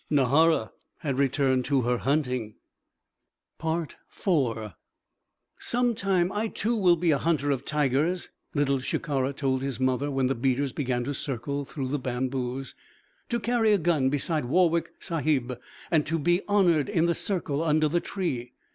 Nahara had returned to her hunting. IV "Some time I, too, will be a hunter of tigers," Little Shikara told his mother when the beaters began to circle through the bamboos. "To carry a gun beside Warwick Sahib and to be honoured in the circle under the tree!"